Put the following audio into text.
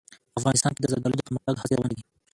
افغانستان کې د زردالو د پرمختګ هڅې روانې دي.